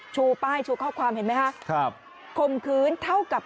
ชูป้ายชูข้อความเห็นไหมครับ